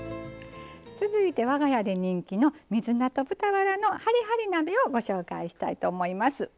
続いて、わが家で人気の水菜と豚バラのはりはり鍋をご紹介したいと思います。